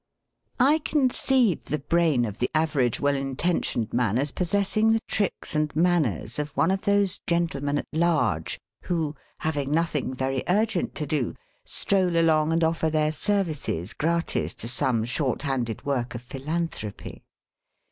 I conceive the brain of the average well intentioned man as possessing the tricks and manners of one of those gentlemen at large who, having nothing very urgent to do, stroll along and offer their services gratis to some shorthanded work of philanthropy.